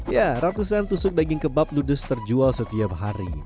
ya ratusan tusuk daging kebab ludes terjual setiap hari